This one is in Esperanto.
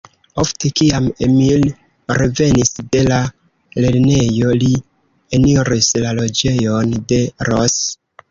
Ofte, kiam Emil revenis de la lernejo, li eniris la loĝejon de Ros.